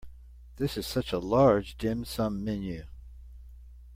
This is such a large dim sum menu.